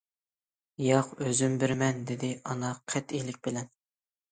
- ياق، ئۆزۈم بىرىمەن،- دېدى ئانا قەتئىيلىك بىلەن.